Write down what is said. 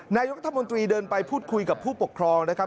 นายกรัฐมนตรีเดินไปพูดคุยกับผู้ปกครองนะครับ